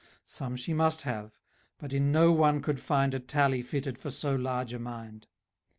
Some she must have; but in no one could find A tally fitted for so large a mind.